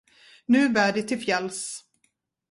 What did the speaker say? Nu bär det till fjälls.